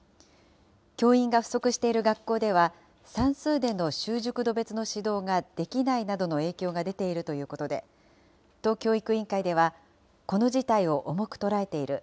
教員が不足している学校では、算数での習熟度別の指導ができないなどの影響が出ているということで、都教育委員会では、この事態を重く捉えている。